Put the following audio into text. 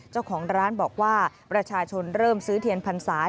เจ้าของร้านบอกว่าประชาชนเริ่มซื้อเทียนพรรษา